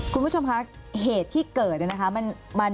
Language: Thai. คุณผู้ชมคะเหตุที่เกิดเนี่ยนะคะ